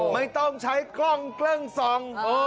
ไม่ต้องใช้กล้องเครื่องซอง